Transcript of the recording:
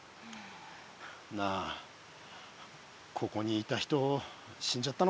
なあここにいた人死んじゃったのかな。